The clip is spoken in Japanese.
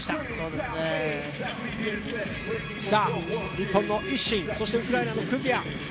日本のＩＳＳＩＮ、そしてウクライナのＫｕｚｙａ。